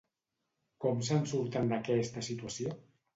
Com se'n surten d'aquesta situació?